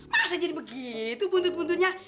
masa jadi begitu buntut buntutnya